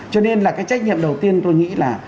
cho nên là cái trách nhiệm đầu tiên tôi nghĩ là